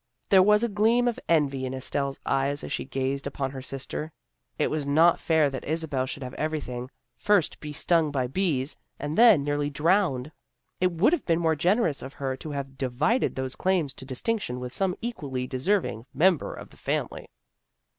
There was a gleam of envy in Estelle's eyes as she gazed upon her sister. It was not fair that Isabel should have everything, first be stung by bees, and then nearly drowned. It would have been more generous of her to have divided those claims to distinction with some equally deserv ing member of the family.